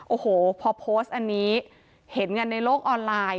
โอ้โหพอโพสต์อันนี้เห็นกันในโลกออนไลน์